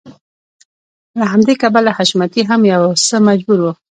له همدې کبله حشمتی هم يو څه مجبور و.